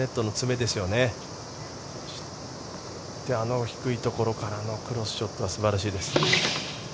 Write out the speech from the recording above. そしてあの低いところからのクロスショットは素晴らしいです。